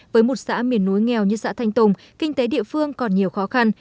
với một xã miền núi nghèo như xã thanh tùng kinh tế địa phương còn nhiều khó khăn